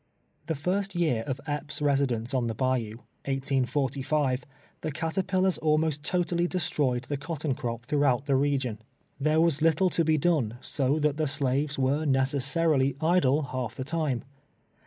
The first year of Epps' residence on the bajoii, 1815, the caterpillars almost totally destroyed the cotton crop throiighout that region. Tliero was little to he done, so that the slaves were necessarily idle half the time.